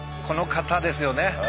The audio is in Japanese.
この方ですよね。